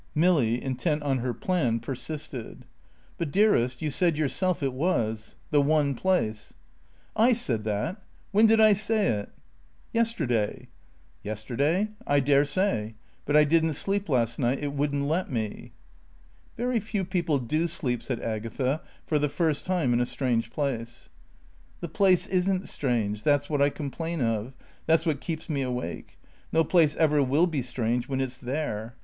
Milly, intent on her "plan," persisted. "But, dearest, you said yourself it was. The one place." "I said that? When did I say it?" "Yesterday." "Yesterday? I daresay. But I didn't sleep last night. It wouldn't let me." "Very few people do sleep," said Agatha, "for the first time in a strange place." "The place isn't strange. That's what I complain of. That's what keeps me awake. No place ever will be strange when It's there.